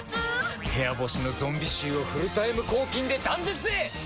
部屋干しのゾンビ臭をフルタイム抗菌で断絶へ！